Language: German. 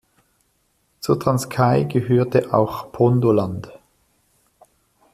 Zur Transkei gehörte auch Pondoland.